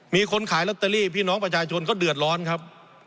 มีคนขายลอตเตอรี่พี่น้องประชาชนก็เดือดร้อนครับ